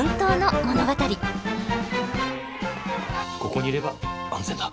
ここにいれば安全だ。